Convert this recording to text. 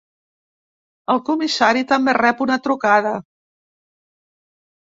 El comissari també rep una trucada.